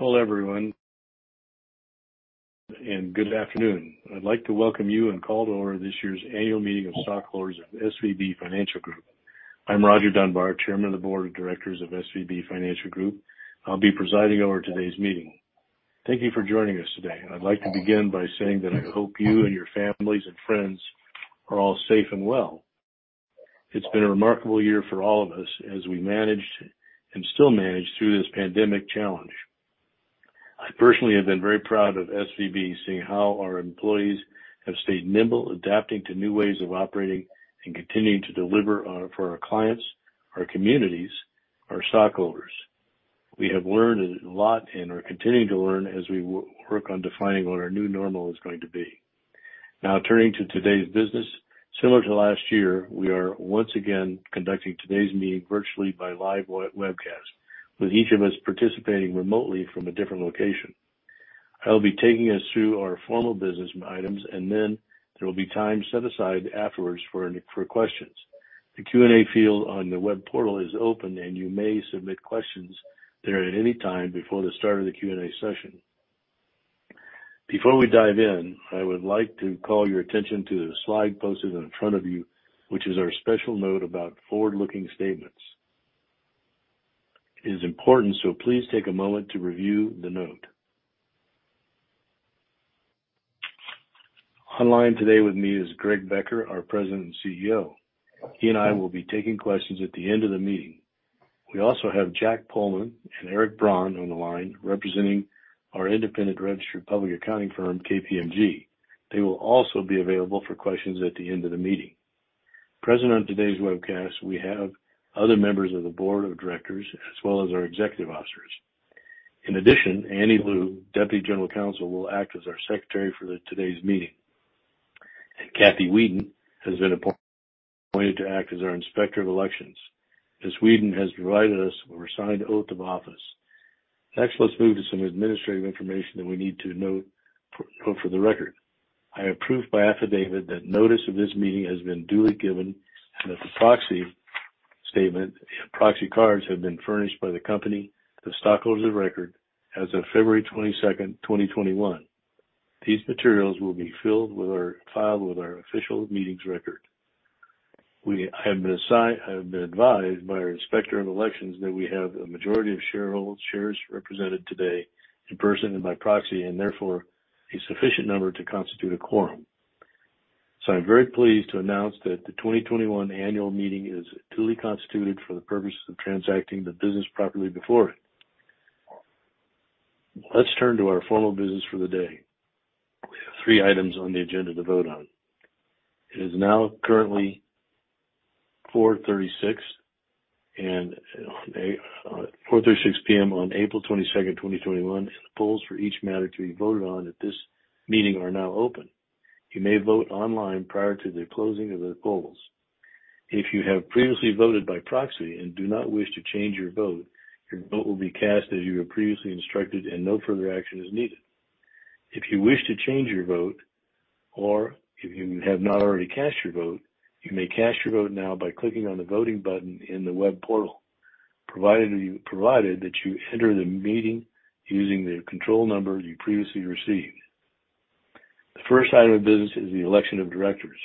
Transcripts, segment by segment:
Hello everyone. Good afternoon. I'd like to welcome you and call to order this year's annual meeting of stockholders of SVB Financial Group. I'm Roger Dunbar, chairman of the board of directors of SVB Financial Group. I'll be presiding over today's meeting. Thank you for joining us today. I'd like to begin by saying that I hope you and your families and friends are all safe and well. It's been a remarkable year for all of us as we managed, and still manage, through this pandemic challenge. I personally have been very proud of SVB, seeing how our employees have stayed nimble, adapting to new ways of operating, and continuing to deliver for our clients, our communities, our stockholders. We have learned a lot and are continuing to learn as we work on defining what our new normal is going to be. Turning to today's business. Similar to last year, we are once again conducting today's meeting virtually by live webcast, with each of us participating remotely from a different location. I'll be taking us through our formal business items, and then there will be time set aside afterwards for questions. The Q&A field on the web portal is open, and you may submit questions there at any time before the start of the Q&A session. Before we dive in, I would like to call your attention to the slide posted in front of you, which is our special note about forward-looking statements. It is important, so please take a moment to review the note. Online today with me is Greg Becker, our President and CEO. He and I will be taking questions at the end of the meeting. We also have Jack Pohlman and Eric Braun on the line representing our independent registered public accounting firm, KPMG. They will also be available for questions at the end of the meeting. Present on today's webcast, we have other members of the board of directors as well as our executive officers. In addition, Annie Lu, deputy general counsel, will act as our secretary for today's meeting. Cathy Weeden has been appointed to act as our inspector of elections. Ms. Weeden has provided us with her signed oath of office. Next, let's move to some administrative information that we need to note for the record. I approve by affidavit that notice of this meeting has been duly given and that the proxy statement and proxy cards have been furnished by the company to stockholders of record as of February 22nd, 2021. These materials will be filed with our official meetings record. I have been advised by our inspector of elections that we have a majority of shareholders' shares represented today in person and by proxy, and therefore, a sufficient number to constitute a quorum. I'm very pleased to announce that the 2021 annual meeting is duly constituted for the purposes of transacting the business properly before it. Let's turn to our formal business for the day. We have three items on the agenda to vote on. It is now currently 4:36 P.M. on April 22, 2021, and the polls for each matter to be voted on at this meeting are now open. You may vote online prior to the closing of the polls. If you have previously voted by proxy and do not wish to change your vote, your vote will be cast as you were previously instructed and no further action is needed. If you wish to change your vote, or if you have not already cast your vote, you may cast your vote now by clicking on the voting button in the web portal, provided that you enter the meeting using the control number you previously received. The first item of business is the election of directors.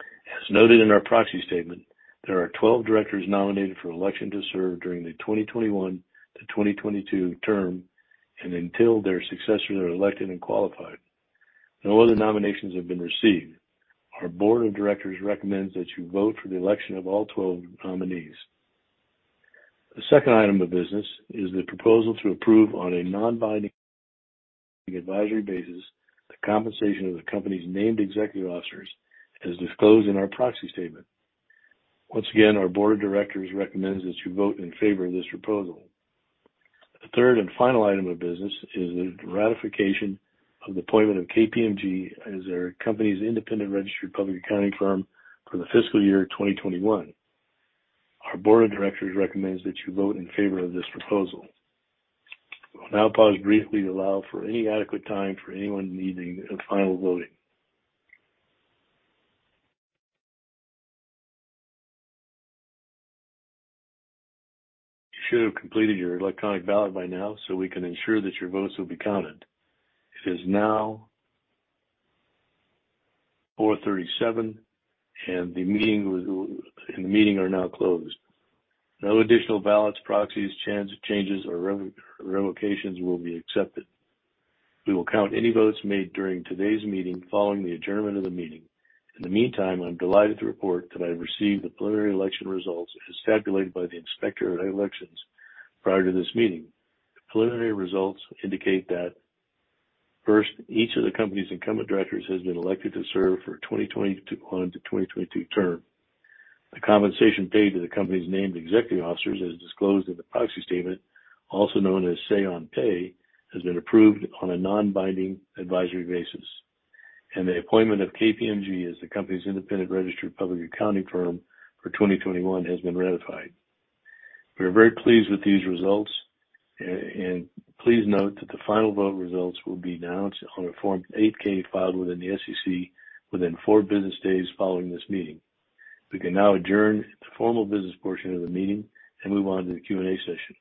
As noted in our proxy statement, there are 12 directors nominated for election to serve during the 2021-2022 term and until their successors are elected and qualified. No other nominations have been received. Our board of directors recommends that you vote for the election of all 12 nominees. The second item of business is the proposal to approve on a non-binding advisory basis the compensation of the company's named executive officers as disclosed in our proxy statement. Once again, our board of directors recommends that you vote in favor of this proposal. The third and final item of business is the ratification of the appointment of KPMG as our company's independent registered public accounting firm for the fiscal year 2021. Our board of directors recommends that you vote in favor of this proposal. We will now pause briefly to allow for any adequate time for anyone needing final voting. You should have completed your electronic ballot by now so we can ensure that your votes will be counted. It is now 4:37 P.M. The meeting are now closed. No additional ballots, proxies, changes, or revocations will be accepted. We will count any votes made during today's meeting following the adjournment of the meeting. In the meantime, I'm delighted to report that I have received the preliminary election results as tabulated by the inspector of elections prior to this meeting. The preliminary results indicate that, first, each of the company's incumbent directors has been elected to serve for 2021 to 2022 term. The compensation paid to the company's named executive officers, as disclosed in the proxy statement, also known as say on pay, has been approved on a non-binding advisory basis. The appointment of KPMG as the company's independent registered public accounting firm for 2021 has been ratified. We are very pleased with these results. Please note that the final vote results will be announced on a Form 8-K filed with the SEC within four business days following this meeting. We can now adjourn the formal business portion of the meeting and move on to the Q&A session.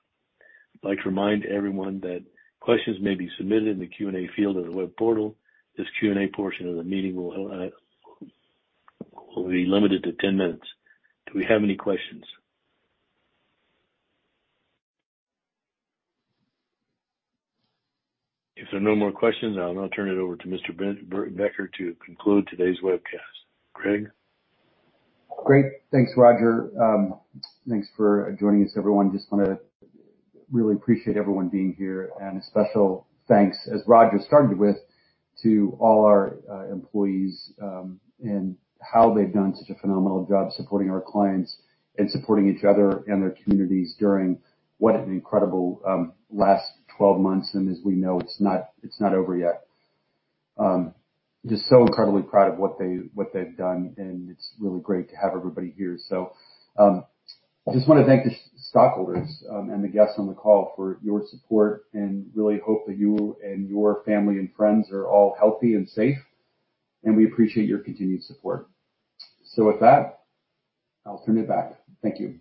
I'd like to remind everyone that questions may be submitted in the Q&A field of the web portal. This Q&A portion of the meeting will be limited to 10 minutes. Do we have any questions? If there are no more questions, I'll now turn it over to Mr. Becker to conclude today's webcast. Greg? Great. Thanks, Roger. Thanks for joining us, everyone. Just want to really appreciate everyone being here. A special thanks, as Roger started with, to all our employees and how they've done such a phenomenal job supporting our clients and supporting each other and their communities during what an incredible last 12 months. As we know, it's not over yet. Just so incredibly proud of what they've done, and it's really great to have everybody here. Just want to thank the stockholders and the guests on the call for your support, and really hope that you and your family and friends are all healthy and safe, and we appreciate your continued support. With that, I'll turn it back. Thank you.